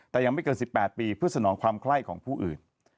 แต่ยังไม่เกิน๑๘ปีเพื่อสนองความไข้ของผู้อื่น